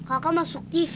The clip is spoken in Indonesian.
kakak masuk tv